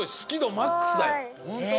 マックスだよ。